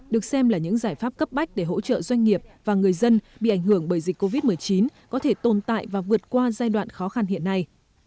được xem là những giải pháp cấp bách để hỗ trợ doanh nghiệp và người dân bị ảnh hưởng bởi dịch covid một mươi chín có thể tồn tại và vượt qua giai đoạn khó khăn hiện nay